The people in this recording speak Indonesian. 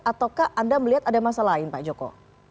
ataukah anda melihat ada masalah lain pak joko